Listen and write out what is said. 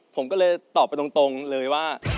ผมก็เลยตอบไปตรงเลยว่า